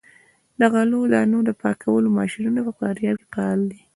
د غلو دانو د پاکولو ماشینونه په فاریاب کې فعال دي.